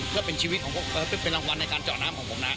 เพื่อเป็นชีวิตของพวกเป็นรางวัลในการเจาะน้ำของผมนะ